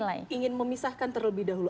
lain ingin memisahkan terlebih dahulu